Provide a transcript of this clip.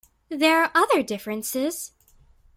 There are other differences.